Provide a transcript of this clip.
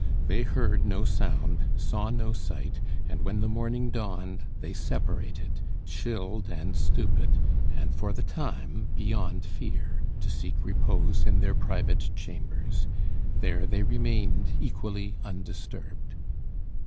They heard no sound, saw no sight; and when the morning dawned, they separated, chilled and stupid, and for the time beyond fear, to seek repose in their private chambers. There they remained equally undisturbed.